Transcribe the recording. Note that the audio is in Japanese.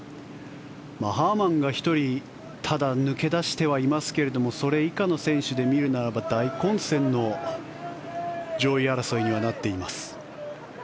ハーマンが１人ただ抜け出してはいますけれどそれ以下の選手で見るならば大混戦の上位争いにはなっています。